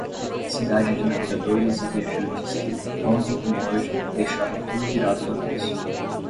Cidade de navegadores e viajantes que, ontem como hoje, deixaram tudo virado do avesso.